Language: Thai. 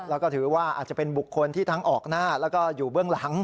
แล้วก็ถือว่าอาจจะเป็นบุคคลที่ทั้งออกหน้าแล้วก็อยู่เบื้องหลัง